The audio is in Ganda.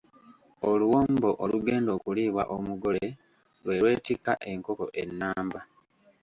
Oluwombo olugenda okuliibwa omugole lwe lwettika enkoko ennamba.